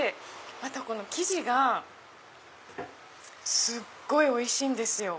またこの生地がすっごいおいしいんですよ。